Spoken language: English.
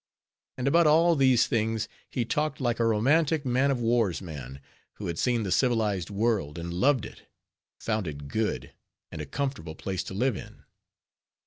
And about all these things, he talked like a romantic man of war's man, who had seen the civilized world, and loved it; found it good, and a comfortable place to live in.